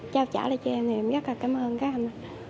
trao trả lại cho em thì em rất là cảm ơn